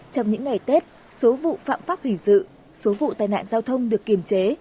trong những ngày tết số vụ phạm pháp hình sự số vụ tai nạn giao thông được kiềm chế